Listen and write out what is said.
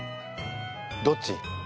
どっち？